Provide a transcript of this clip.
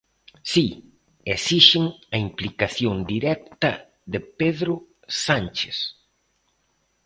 Si, esixen a implicación directa de Pedro Sánchez.